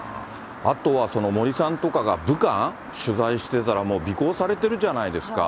あとは森さんとかが武漢取材してたら、もう尾行されてるじゃないですか。